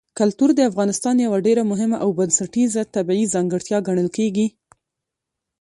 کلتور د افغانستان یوه ډېره مهمه او بنسټیزه طبیعي ځانګړتیا ګڼل کېږي.